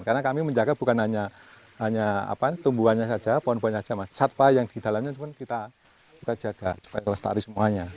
karena kami menjaga bukan hanya tumbuhannya saja pohon pohonnya saja mas satwa yang di dalamnya kita jaga supaya selesai semuanya